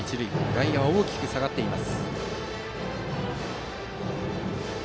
外野、大きく下がっています。